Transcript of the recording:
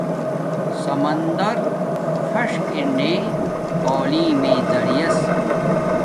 سمندر فش ارنے تعلیم میݵ زریعس